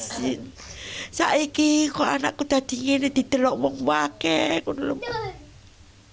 sekarang sejak kecil anakku sudah tinggi dan sudah dikubur di tempat lain